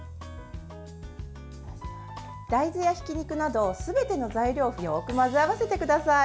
大豆やひき肉などすべての材料をよく混ぜ合わせてください。